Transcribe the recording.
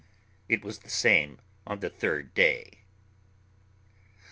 It was the same on the third day.